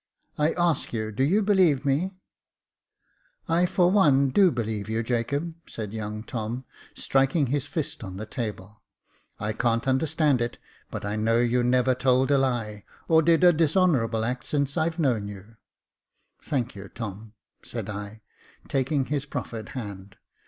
I ask you, do you believe me ?" "I, for one, do believe you, Jacob," said young Tom, striking his fist on the table. "I can't understand it, but I know you never told a lie, or did a dishonourable act since I've known you." *' Thank you, Tom," said I, taking his proffered hand.